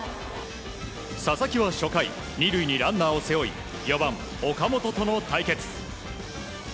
佐々木は初回２塁にランナーを背負い４番、岡本との対決。